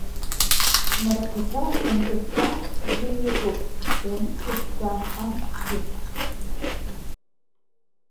Мраҭашәарахь анҵыкка амш бзиа иатәуп, ианыҵлашьцаа амшцәгьа.